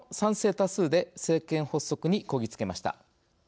多数で政権発足にこぎ着けました。